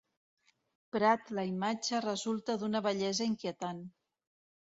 Prat la imatge resulta d'una bellesa inquietant.